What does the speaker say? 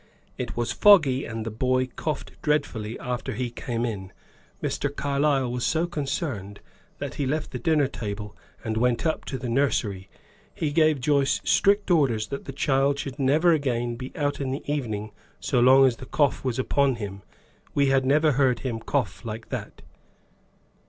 It was foggy, and the boy coughed dreadfully after he came in. Mr. Carlyle was so concerned that he left the dinner table and went up to the nursery; he gave Joyce strict orders that the child should never again be out in the evening so long as the cough was upon him. We had never heard him cough like that."